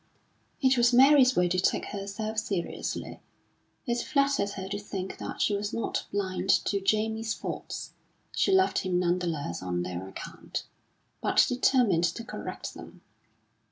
It was Mary's way to take herself seriously. It flattered her to think that she was not blind to Jamie's faults; she loved him none the less on their account, but determined to correct them.